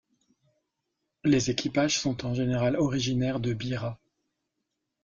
Les équipages sont en général originaires de Bira.